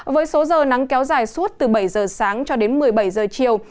với số giờ nắng kéo dài suốt từ bảy giờ sáng cho đến một mươi bảy giờ chiều